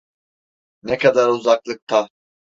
Ne kadar uzaklıkta?